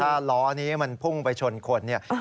ถ้าร้อนี้มันพุ่งไปชนคน